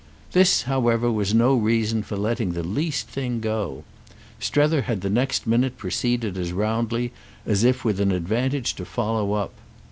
This however was no reason for letting the least thing go. Strether had the next minute proceeded as roundly as if with an advantage to follow up.